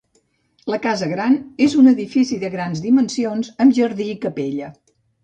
La Casa Gran és un edifici de grans dimensions amb jardí i capella.